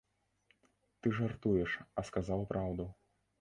Ты жартуеш, а сказаў праўду.